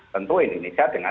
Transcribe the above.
tentu indonesia dengan